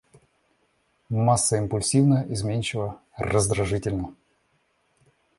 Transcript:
Масса импульсивна, изменчива, раздражительна.